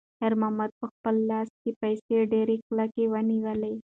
خیر محمد په خپل لاس کې پیسې ډېرې کلکې ونیولې.